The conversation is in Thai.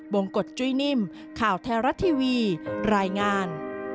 งกฎจุ้ยนิ่มข่าวไทยรัฐทีวีรายงาน